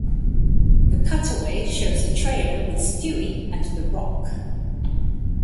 The cutaway shows a trailer with Stewie and the Rock.